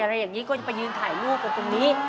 อะไรอย่างนี้ก็จะไปยืนถ่ายรูปกันตรงนี้